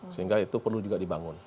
sehingga itu perlu juga dibangun